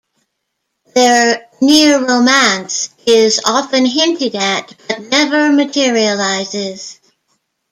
Their near-romance is often hinted at but never materializes.